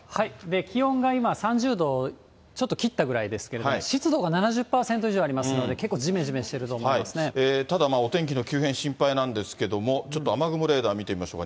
気温が今３０度をちょっと切ったぐらいですけれども、湿度が７０％以上ありますので、ただお天気の急変、心配なんですけども、ちょっと雨雲レーダー見てみましょうか。